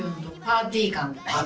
パーティー感。